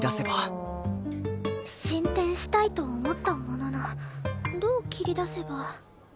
進展したいと思ったもののどう切り出せば